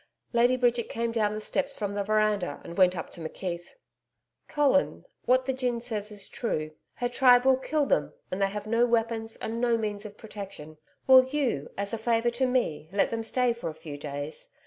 Lady Bridget came down the steps from the veranda and went up to McKeith. 'Colin, what the gin says is true. Her tribe will kill them, and they have no weapons and no means of protection. Will you, as a favour to me, let them stay for a few days?